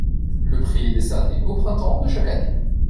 Le prix est décerné au printemps de chaque année.